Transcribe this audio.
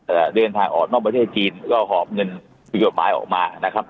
เดินทางออกนอกประเทศจีนก็หอบเงินผิดกฎหมายออกมานะครับ